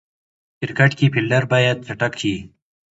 کرکټ کښي فېلډر باید چټک يي.